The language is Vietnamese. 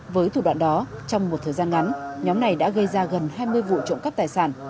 với thủ đoạn đó trong một thời gian ngắn nhóm này đã gây ra gần hai mươi vụ trộm cắp tài sản